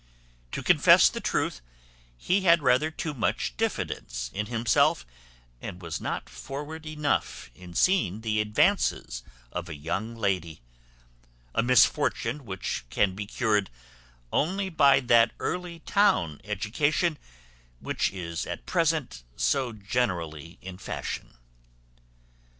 To confess the truth, he had rather too much diffidence in himself, and was not forward enough in seeing the advances of a young lady; a misfortune which can be cured only by that early town education, which is at present so generally in fashion.